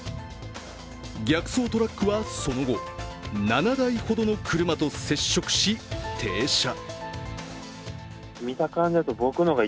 逆走トラックはその後、７台ほどの車と接触し停車。